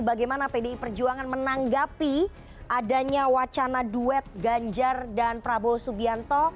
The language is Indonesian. bagaimana pdi perjuangan menanggapi adanya wacana duet ganjar dan prabowo subianto